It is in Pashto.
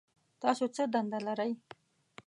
تاسو څه دنده لرئ؟